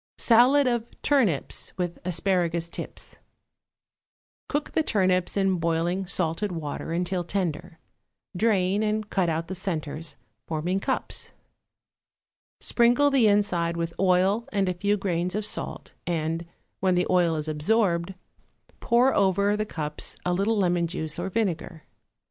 =Salad of Turnips with Asparagus Tips.= Cook the turnips in boiling salted water until tender; drain, and cut out the centres, forming cups. Sprinkle the inside with oil and a few grains of salt, and, when the oil is absorbed, pour over the cups a little lemon juice or vinegar.